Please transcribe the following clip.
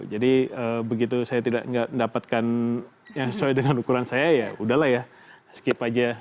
jadi begitu saya tidak mendapatkan yang sesuai dengan ukuran saya ya udahlah ya skip aja